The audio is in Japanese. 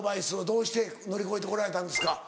どうして乗り越えて来られたんですか？